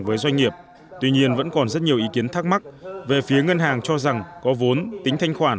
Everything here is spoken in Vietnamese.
với doanh nghiệp tuy nhiên vẫn còn rất nhiều ý kiến thắc mắc về phía ngân hàng cho rằng có vốn